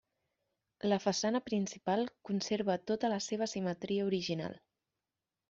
La façana principal conserva tota la seva simetria original.